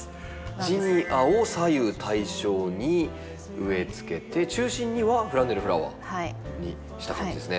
ジニアを左右対称に植えつけて中心にはフランネルフラワーにした感じですね。